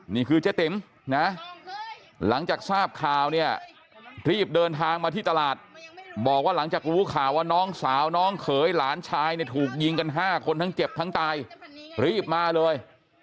เจ๊ติ๋มนะหลังจากทราบข่าวเนี่ยรีบเดินทางมาที่ตลาดบอกว่าหลังจากรู้ข่าวว่าน้องสาวน้องเขยหลานชายเนี่ยถูกยิงกัน๕คนทั้งเจ็บทั้งตายรีบมาเลย